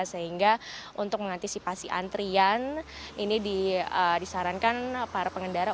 sehingga untuk mengantisipasi antrian ini disarankan para pengendara